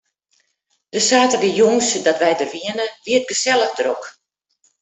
De saterdeitejûns dat wy der wiene, wie it gesellich drok.